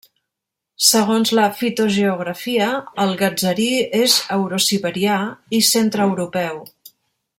Segons la fitogeografia, el gatzerí és eurosiberià i centreeuropeu.